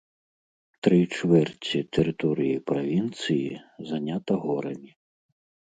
Тры чвэрці тэрыторыі правінцыі занята горамі.